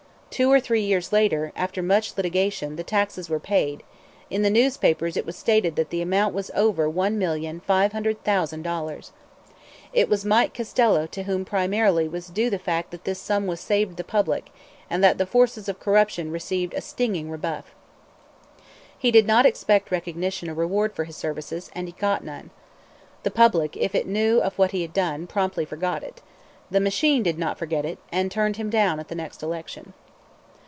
Two or three years later, after much litigation, the taxes were paid; in the newspapers it was stated that the amount was over $1,500,000. It was Mike Costello to whom primarily was due the fact that this sum was saved the public, and that the forces of corruption received a stinging rebuff. He did not expect recognition or reward for his services; and he got none. The public, if it knew of what he had done, promptly forgot it. The machine did not forget it, and turned him down at the next election.